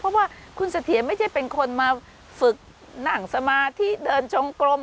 เพราะว่าคุณเสถียรไม่ใช่เป็นคนมาฝึกนั่งสมาธิเดินชมกลม